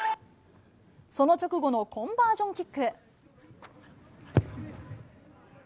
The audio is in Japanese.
その直後のコンバージョンキック。